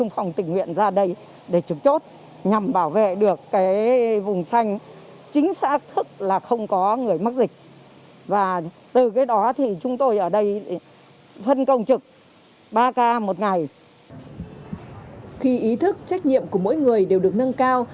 khi ý thức trách nhiệm của mỗi người đều được nâng cao